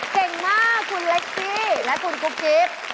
เก่งมากคุณเล็กกี้และคุณกุ๊กกิ๊บ